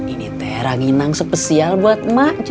ini teh yang spesial buat ibu